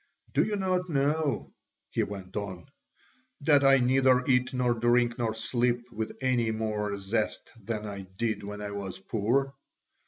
Do you not know," he went on, "that I neither eat nor drink nor sleep with any more zest than I did when I was poor?